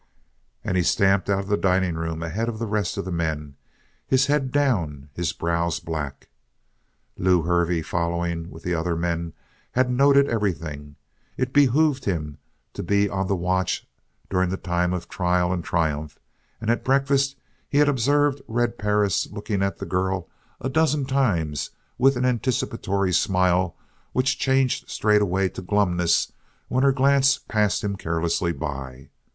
And he stamped out of the dining room ahead of the rest of the men, his head down, his brows black. Lew Hervey, following with the other men, had noted everything. It behooved him to be on the watch during the time of trial and triumph and at breakfast he had observed Red Perris looking at the girl a dozen times with an anticipatory smile which changed straightway to glumness when her glance passed him carelessly by.